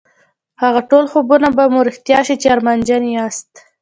هغه ټول خوبونه به مو رښتيا شي چې ارمانجن يې ياست.